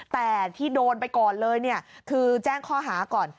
แต่ที่โดนไปก่อนเลยเนี่ยคือแจ้งข้อหาก่อน